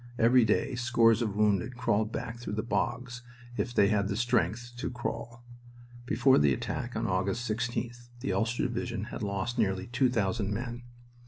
Every day scores of wounded crawled back through the bogs, if they had the strength to crawl. Before the attack on August 16th the Ulster Division had lost nearly two thousand men.